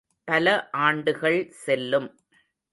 பல ஆண்டுகள் செல்லும்.